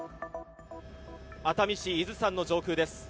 熱海市・伊豆山の上空です。